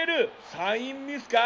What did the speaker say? サインミスか？